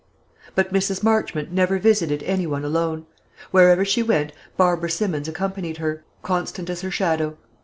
But Mrs. Marchmont never visited anyone alone. Wherever she went, Barbara Simmons accompanied her, constant as her shadow.